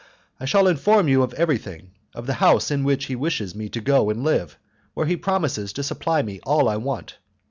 I shall inform you of everything, of the house in which he wishes me to go and live, where he promises to supply me all I want.